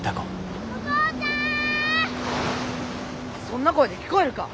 そんな声で聞こえるか！